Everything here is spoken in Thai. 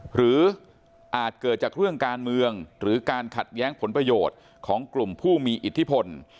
หรืออาจเกิดจากเรื่องการเมืองหรือการขัดแย้งผลประโยชน์ของกลุ่มผู้มีอิทธิพล